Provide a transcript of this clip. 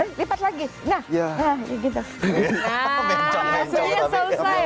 nah suria selesai tuh